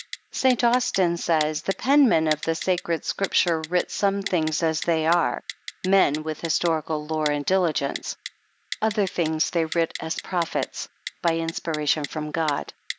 St. Austin says, " The penmen of the Sacred Scripture writ some things as they are, men with historical lore and diligence : other things they writ as prophets, by inspiration from God."